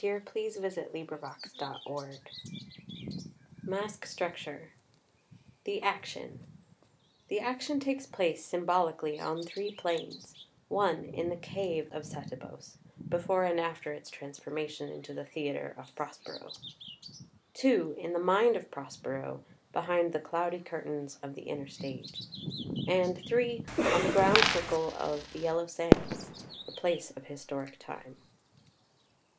PERCY MACKAYE. New York, February 22, 1916. MASQUE STRUCTURE THE ACTION The action takes place, symbolically, on three planes: [i] in the cave of Sebetos [before and after its transformation into the theatre of Pros pero]; in the mind of Prospero [behind the Cloudy Curtains of the inner stage]; and on the ground circle of "the Yellow Sands" [the place of historic time].